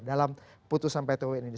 dalam putusan pt un ini